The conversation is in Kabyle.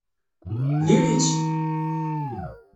Diri-tt!